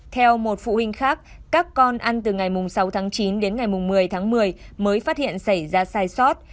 theo một phụ huynh khác các con ăn từ ngày sáu tháng chín đến ngày một mươi tháng một mươi mới phát hiện xảy ra sai sót